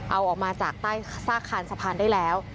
เอาออกมาจากใต้ซากคานสะพานได้แล้ว